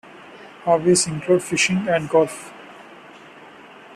Hobbies include fishing and golf.